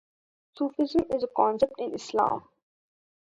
Sufism is a concept in Islam.